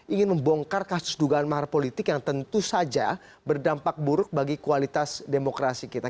ingin membongkar kasus dugaan mahar politik yang tentu saja berdampak buruk bagi kualitas demokrasi kita